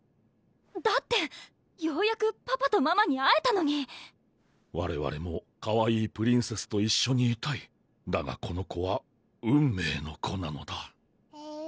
だってようやくパパとママに会えたのにわれわれもかわいいプリンセスと一緒にいたいだがこの子は「運命の子」なのだえる？